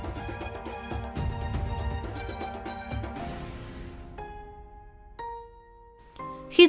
vũ thị mừng